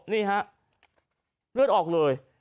นี่ฮะเลือดออกเลย